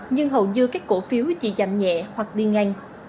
nhưng hầu như các cổ phiếu chỉ giảm nhẹ hoặc đi ngang